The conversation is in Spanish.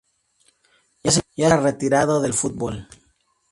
Ya se encuentra retirado del fútbol.